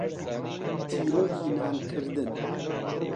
تیرۆکی نانکردن.